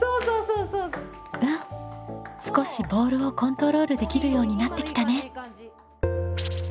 うん少しボールをコントロールできるようになってきたね。